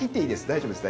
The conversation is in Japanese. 大丈夫です。